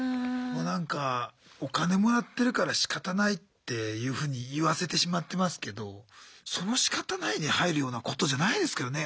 なんかお金もらってるからしかたないっていうふうに言わせてしまってますけどその「しかたない」に入るようなことじゃないですけどね。